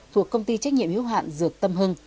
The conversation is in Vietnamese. thuộc công ty trách nhiệm hiếu hạn dược tâm hưng